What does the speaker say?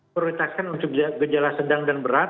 prioritaskan untuk gejala sedang dan berat